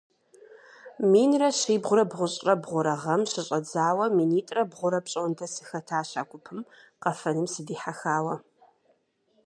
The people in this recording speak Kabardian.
Минрэ щибгъурэ бгъущӀрэ бгъурэ гъэм щыщӀэдзауэ минитӀрэ бгъурэ пщӀондэ сыхэтащ а гупым, къэфэным сыдихьэхауэ.